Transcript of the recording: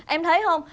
em thấy không